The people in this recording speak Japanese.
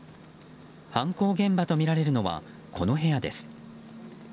犯行現場とみられるのはこの部屋です。